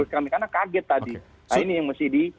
karena kaget tadi nah ini yang mesti di